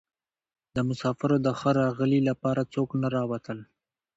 د مسافرو د ښه راغلي لپاره څوک نه راوتل.